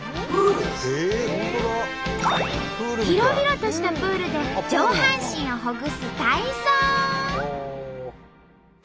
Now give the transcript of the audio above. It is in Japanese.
広々としたプールで上半身をほぐす体操！